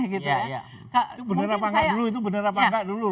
itu bener apa enggak dulu